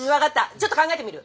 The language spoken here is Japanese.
ちょっと考えてみる。